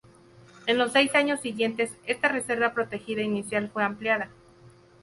En los seis años siguientes, esta reserva protegida inicial fue ampliada.